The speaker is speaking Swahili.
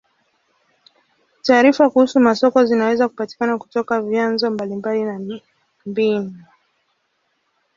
Taarifa kuhusu masoko zinaweza kupatikana kutoka vyanzo mbalimbali na na mbinu.